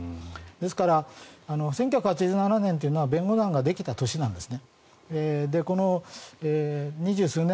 ですから１９８７年というのは弁護団ができた年なんです。